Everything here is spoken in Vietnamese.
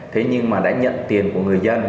thế nhưng mà đã nhận tiền của người dân